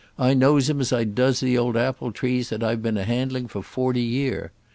I knows him as I does the old apple trees that I've been a handling for forty year.